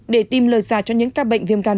để tìm lời giả cho những các bệnh viêm gan